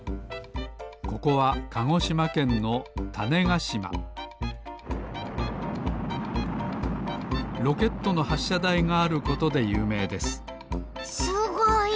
ここはかごしまけんの種子島ロケットのはっしゃだいがあることでゆうめいですすごい！